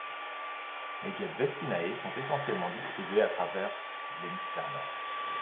Les guêpes Vespinae sont essentiellement distribuées à travers l'hémisphère nord.